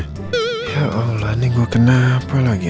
ya allah nih gue kenapa lagi